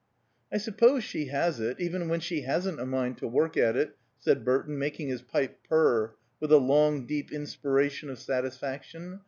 "I suppose she has it, even when she hasn't a mind to work at it," said Burton, making his pipe purr with a long, deep inspiration of satisfaction.